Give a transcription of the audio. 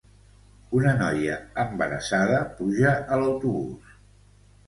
Una noia embarassada puja a l'autobús